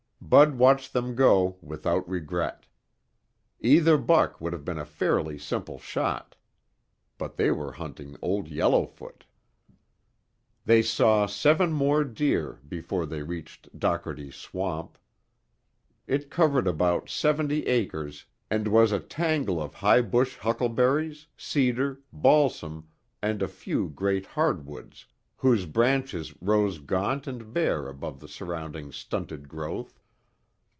Bud watched them go without regret. Either buck would have been a fairly simple shot. But they were hunting Old Yellowfoot. They saw seven more deer before they reached Dockerty's Swamp. It covered about seventy acres and was a tangle of high bush huckleberries, cedar, balsam and a few great hardwoods, whose branches rose gaunt and bare above the surrounding stunted growth.